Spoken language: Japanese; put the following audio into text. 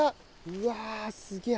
うわすげえ！